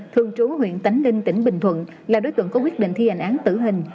thường trú huyện tánh linh tỉnh bình thuận là đối tượng có quyết định thi hành án tử hình